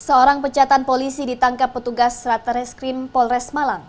seorang pecatan polisi ditangkap petugas satreskrim polres malang